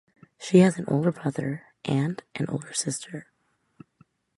She has an older brother and an older sister.